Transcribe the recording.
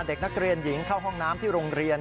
เด็กนักเรียนหญิงเข้าห้องน้ำที่โรงเรียน